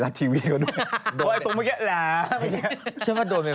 ลัดทีวีเขาด้วยตรงเมื่อนี้แหละเมื่อนี้ฉันว่าโดนเป็น